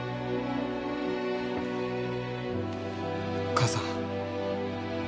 母さん。